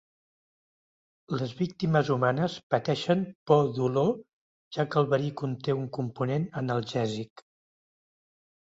Les víctimes humanes pateixen por dolor ja que el verí conté un component analgèsic.